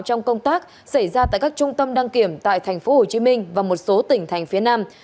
trong công tác xảy ra tại các trung tâm đăng kiểm tại tp hcm và một số tỉnh thành phía nam